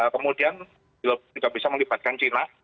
kemudian juga bisa melibatkan china